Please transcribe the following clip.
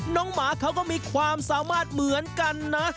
หมาเขาก็มีความสามารถเหมือนกันนะ